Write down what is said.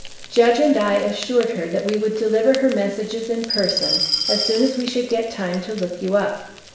"Judge and I assured her that we would deliver her messages in person, as soon as we should get time to look you up.